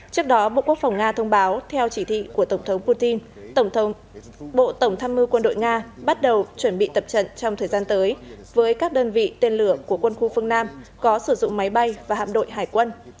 trước đó bộ quốc phòng nga thông báo theo chỉ thị của tổng thống putin tổng tham mưu quân đội nga bắt đầu chuẩn bị tập trận trong thời gian tới với các đơn vị tên lửa của quân khu phương nam có sử dụng máy bay và hạm đội hải quân